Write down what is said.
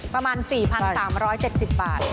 ประมาณ๔๓๗๐บาท